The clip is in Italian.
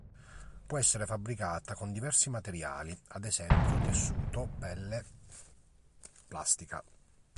Può essere fabbricata con diversi materiali, ad esempio tessuto, pelle, plastica.